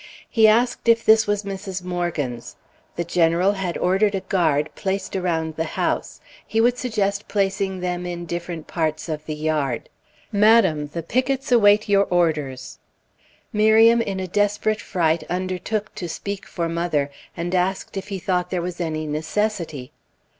He asked if this was Mrs. Morgan's; the General had ordered a guard placed around the house; he would suggest placing them in different parts of the yard. "Madam, the pickets await your orders." Miriam in a desperate fright undertook to speak for mother, and asked if he thought there was any necessity.